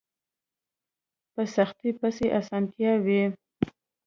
په سختۍ پسې اسانتيا وي